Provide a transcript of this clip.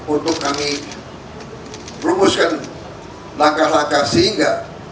untuk kami rumuskan langkah langkah sehingga